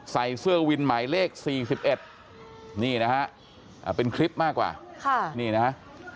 ใส่เสื้อวินหมายเลข๔๑นี่นะฮะเป็นคลิปมากกว่านี่นะฮะ